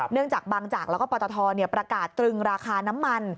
จากบางจากแล้วก็ปตทประกาศตรึงราคาน้ำมัน